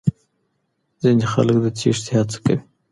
ځينې خلک د تېښتې هڅه کوي.